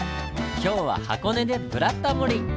今日は箱根で「ブラタモリ」！